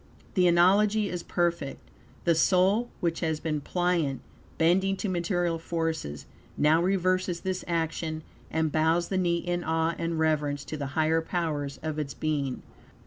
The analogy is perfect. The soul, which has been pliant, bending to material forces, now reverses this action, and bows the knee in awe and reverence to the higher powers of its being.